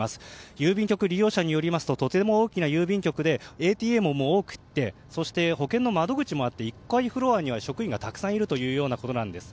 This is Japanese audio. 郵便局利用者によりますととても大きな郵便局でＡＴＭも多くてそして保険の窓口もあって１階フロアには職員がたくさんいるということです。